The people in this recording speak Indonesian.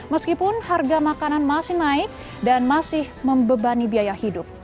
meskipun harga makanan masih naik dan masih membebani biaya hidup